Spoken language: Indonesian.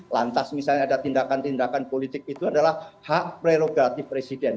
lantas misalnya ada tindakan tindakan politik itu adalah hak prerogatif presiden